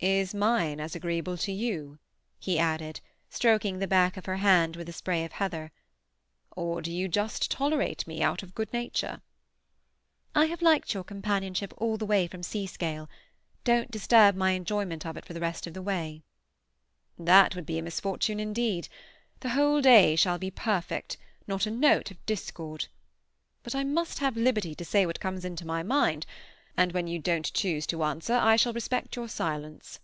"Is mine as agreeable to you?" he added, stroking the back of her hand with a spray of heather. "Or do you just tolerate me out of good nature?" "I have liked your companionship all the way from Seascale. Don't disturb my enjoyment of it for the rest of the way." "That would be a misfortune indeed. The whole day shall be perfect. Not a note of discord. But I must have liberty to say what comes into my mind, and when you don't choose to answer I shall respect your silence."